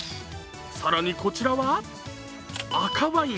更にこちらは、赤ワイン。